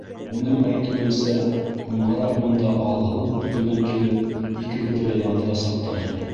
Уның әйтеүенсә, һуңғараҡ бында алһыу ут менән килеп, икегеҙҙе лә яндырасаҡтар.